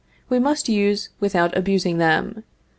We must use, without abusing them.